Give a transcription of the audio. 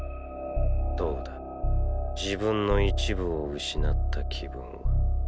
どうだ自分の一部を失った気分は。